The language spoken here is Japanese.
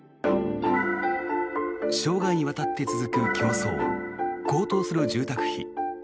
生涯にわたって続く競争高騰する住宅費。